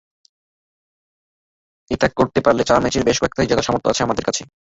এটা করতে পারলে চার ম্যাচের বেশ কয়েকটাতেই জেতার সামর্থ্য আমাদের আছে।